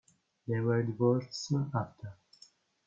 They were divorced soon after.